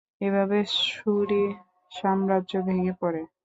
এভাবে সুরি সাম্রাজ্য ভেঙে পড়ে।